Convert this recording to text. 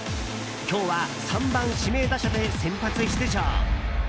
今日は３番指名打者で先発出場。